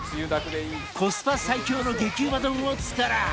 コスパ最強の激うま丼を作る！